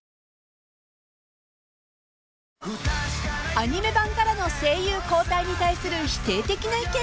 ［アニメ版からの声優交代に対する否定的な意見］